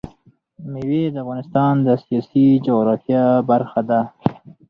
مېوې د افغانستان د سیاسي جغرافیه برخه ده.